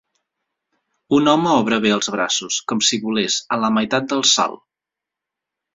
Un home obre bé els braços, com si volés, a la meitat del salt.